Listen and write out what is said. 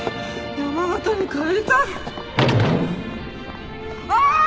山形に帰りたああーっ！